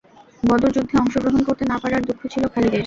বদর যুদ্ধে অংশগ্রহণ করতে না পারার দুঃখ ছিল খালিদের।